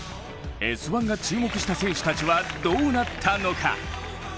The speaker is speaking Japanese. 「Ｓ☆１」が注目した選手たちはどうなったのか。